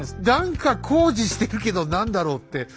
何か工事してるけど何だろうって。